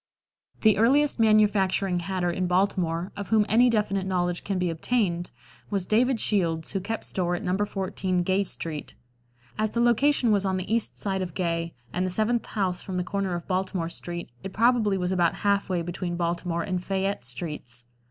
The earliest manufacturing hatter in Baltimore, of whom any definite knowledge can be obtained, was David Shields, who kept store at No. 14 Gay street. As the location was on the east side of Gay and the seventh house from the corner of Baltimore street, it probably was about half way between Baltimore and Fayette streets.